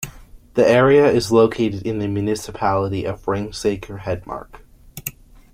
The area is located in the municipality of Ringsaker, Hedmark.